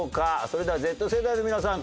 それではＺ世代の皆さん